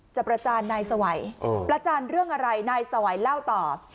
ประจานนายสวัยประจานเรื่องอะไรนายสวัยเล่าต่อ